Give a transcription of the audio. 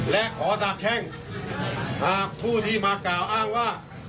และขอดาบแช่งหากผู้ที่มากล่าวอ้างว่า